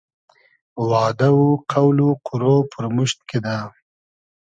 وادۂ و قۆل و قورۉ پورموشت کیدۂ